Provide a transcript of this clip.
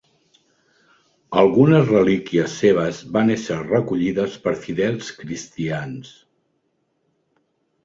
Algunes relíquies seves van ésser recollides per fidels cristians.